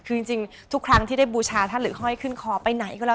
คือจริงทุกครั้งที่ได้บูชาท่านหรือห้อยขึ้นคอไปไหนก็แล้ว